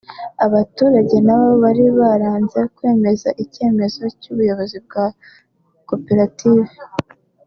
aba baturage nabo bari baranze kwemera icyemezo cy’ubuyobozi bwa koperative